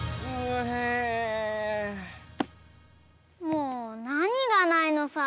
もうなにがないのさ？